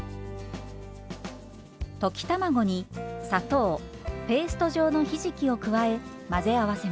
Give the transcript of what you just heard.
溶き卵に砂糖ペースト状のひじきを加え混ぜ合わせます。